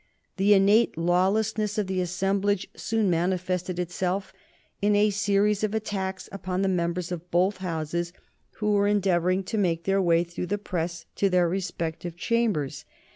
The innate lawlessness of the assemblage soon manifested itself in a series of attacks upon the members of both Houses who were endeavoring to make their way through the press to their respective Chambers.